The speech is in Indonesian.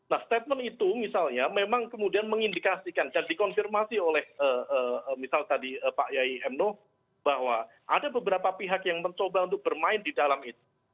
nah statement itu misalnya memang kemudian mengindikasikan dan dikonfirmasi oleh misal tadi pak yai mnu bahwa ada beberapa pihak yang mencoba untuk bermain di dalam itu